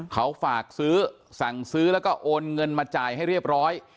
เขาฝากซื้อสั่งซื้อแล้วก็โอนเงินมาจ่ายให้เรียบร้อย